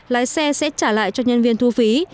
lái xe sẽ trả lại cho nhân viên thu phí